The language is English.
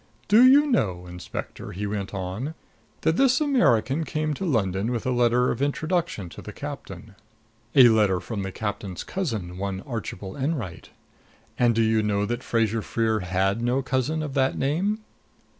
"Do you know, Inspector," he went on, "that this American came to London with a letter of introduction to the captain a letter from the captain's cousin, one Archibald Enwright? And do you know that Fraser Freer had no cousin of that name?"